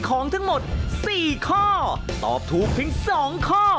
ก็ตอบถูกเพียง๒ข้อ